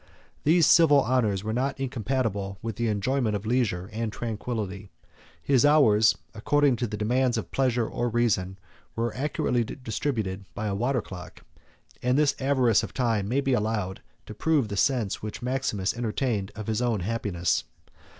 These civil honors were not incompatible with the enjoyment of leisure and tranquillity; his hours, according to the demands of pleasure or reason, were accurately distributed by a water clock; and this avarice of time may be allowed to prove the sense which Maximus entertained of his own happiness.